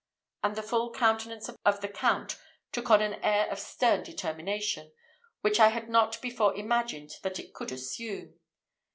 And the full countenance of the Count took on an air of stern determination, which I had not before imagined that it could assume.